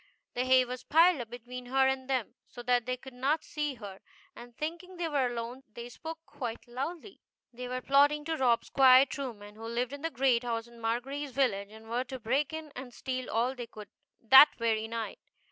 The hay was piled up between her and them, so that they could not see her, and, thinking they were alone, they spoke quite loudly. GOODY TWO SHOES. They were plotting to rob Squire Trueman, who lived in the great house in Margery's village, and were to break in and steal all they could that very night.